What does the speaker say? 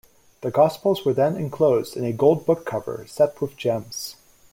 The gospels were then enclosed in a gold book cover set with gems.